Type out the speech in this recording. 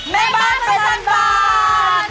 แม่บ้านประจำบาน